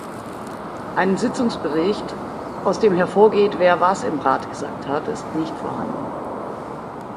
Einen Sitzungsbericht, aus dem hervorgeht, wer was im Rat gesagt hat, ist nicht vorhanden.